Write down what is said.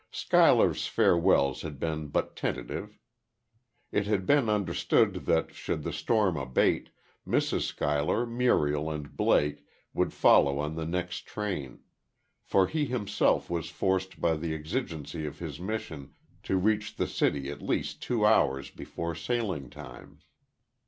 Schuyler's farewells had been but tentative. It had been understood that, should the storm abate, Mrs. Schuyler, Muriel and Blake would follow on the next train; for he himself was forced by the exigency of his mission to reach the city at least two hours before sailing time.